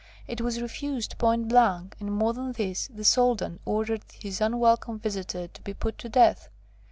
It was refused point blank, and, more than this, the Soldan ordered his unwelcome visitor to be put to death.